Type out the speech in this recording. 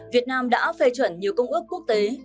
việt nam đã phê chuẩn nhiều công ước quốc tế